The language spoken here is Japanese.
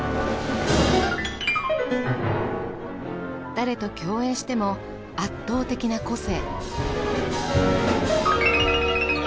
誰と共演しても圧倒的な個性。